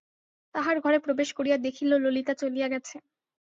তাঁহার ঘরে প্রবেশ করিয়া দেখিল ললিতা চলিয়া গেছে।